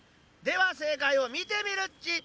では正解をみてみるっち。